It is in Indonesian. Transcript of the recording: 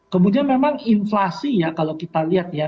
kemudian memang inflasi ya kalau kita lihat ya